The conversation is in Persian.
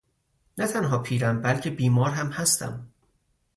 نه تنها پیرم بلکه بیمار هم هستم.